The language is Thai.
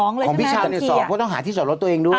ของพี่ชาวเนี่ย๒เพราะต้องหาที่สอดรถตัวเองด้วย